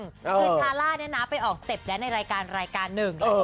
คือชาล่าเนี่ยนะไปออกสเต็ปแล้วในรายการรายการหนึ่ง